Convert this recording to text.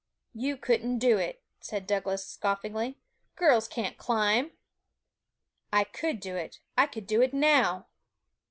'You couldn't do it,' said Douglas scoffingly; 'girls can't climb!' 'I could do it; I could do it now!'